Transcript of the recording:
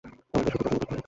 আমাদের শুধু পছন্দ করতে হয়।